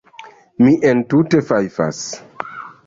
Mi entute fajfas.